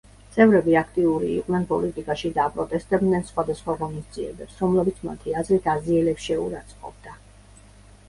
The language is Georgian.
წევრები აქტიური იყვნენ პოლიტიკაში და აპროტესტებდნენ სხვადასხვა ღონისძიებებს, რომლებიც მათი აზრით აზიელებს „შეურაცხყოფდა“.